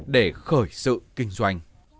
để khởi sự kinh doanh